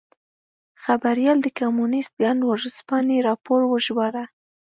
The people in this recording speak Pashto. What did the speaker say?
خبریال د کمونېست ګوند ورځپاڼې راپور وژباړه.